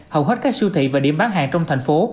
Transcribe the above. hầu hết các siêu thị và điểm bán hàng trong thành phố